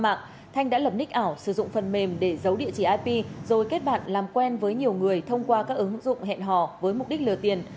mạng thanh đã lập nick ảo sử dụng phần mềm để giấu địa chỉ ip rồi kết bạn làm quen với nhiều người thông qua các ứng dụng hẹn hò với mục đích lừa tiền